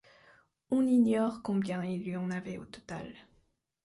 On ignore combien il y en avait au total.